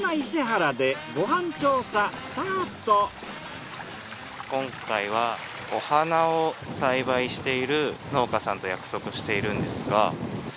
そんな今回はお花を栽培している農家さんと約束しているんですが。